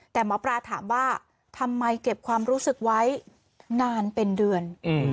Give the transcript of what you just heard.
แต่หมอปลาถามว่าทำไมเก็บความรู้สึกไว้นานเป็นเดือน